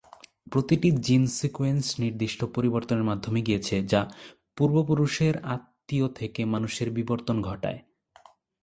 প্রতিটি gene sequence নির্দিষ্ট পরিবর্তনের মাধ্যমে গিয়েছে যা পূর্বপুরুষের আত্মীয় থেকে মানুষের বিবর্তন ঘটায়।